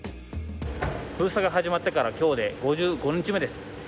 封鎖が始まってから今日で５５日目です。